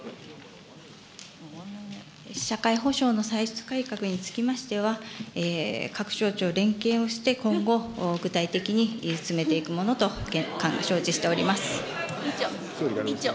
社会保障の歳出改革につきましては、各省庁連携をして今後、具体的に詰めていくものと承知しております。